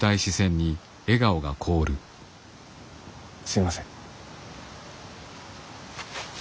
すいません。